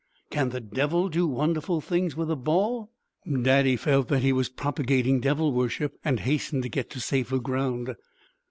"Can the Devil do wonderful things with a ball?" Daddy felt that he was propagating devil worship and hastened to get to safer ground.